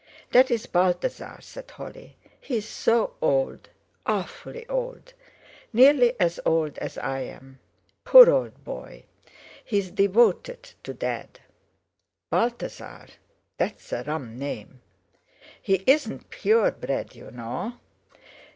"That's Balthasar," said Holly; "he's so old—awfully old, nearly as old as I am. Poor old boy! He's devoted to Dad." "Balthasar! That's a rum name. He isn't purebred you know."